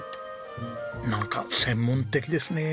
なんか専門的ですね。